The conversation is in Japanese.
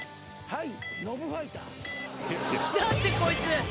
はい！